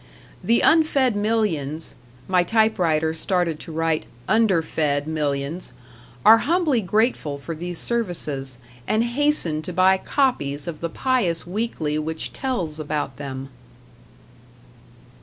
The unfed millions my typewriter started to write "underfed millions" are humbly grateful for these services, and hasten to buy copies of the pious weekly which tells about them.